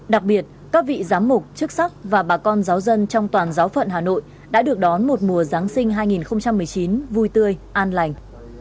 đặc biệt các vị giám mục chức sắc và bà con giáo dân trong toàn giáo phận hà nội đã được đón một mùa giáng sinh hai nghìn một mươi chín vui tươi an lành